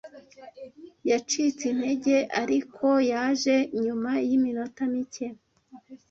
Yacitse intege, ariko yaje nyuma yiminota mike.